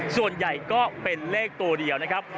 ส่วนใหญ่ก็เป็นเลขตัวเดียวนะครับ